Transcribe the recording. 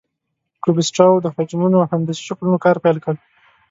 کوبیسټاو د حجمونو او هندسي شکلونو کار پیل کړ.